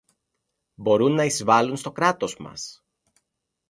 μπορούν να εισβάλουν στο Κράτος μας.